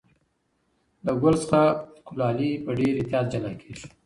له ګل څخه کلالې په ډېر احتیاط جلا کېږي.